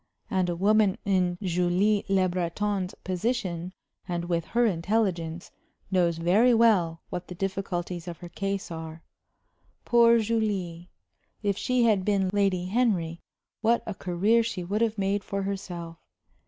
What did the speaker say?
And a woman in Julie Le Breton's position, and with her intelligence, knows very well what the difficulties of her case are. Poor Julie! If she had been Lady Henry, what a career she would have made for herself!